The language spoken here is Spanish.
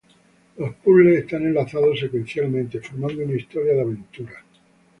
Los puzzles están enlazados secuencialmente formando una historia de aventuras.